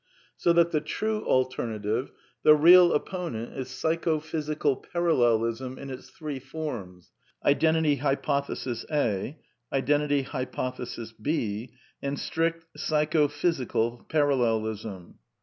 ^® So that the true alternative, the real opponent is Psycho physical Parallelism in its three forms: Identity Hypo thesis A, Identity Hypothesis B, and Strict Psycho phys ical Parallelism.